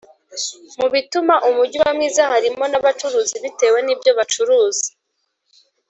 Mu bituma umujyi uba mwiza harimo n’abacuruzi bitewe nibyo bacuruza